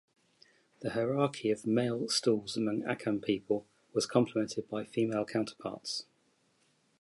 The hierarchy of male stools among the Akan people was complemented by female counterparts.